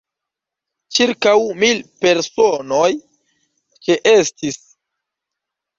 Ĉirkaŭ mil personoj ĉeestis.